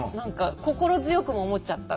「心強くも思っちゃった」ね。